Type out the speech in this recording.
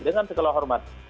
dengan segala hormat